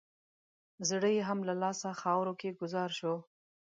زړه یې هم له لاسه خاورو کې ګوزار شو.